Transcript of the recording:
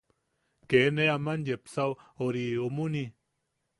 Kee ne aman yepasao ori umuni.